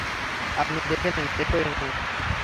আপনি দেখে নেন, চেক করে নেন।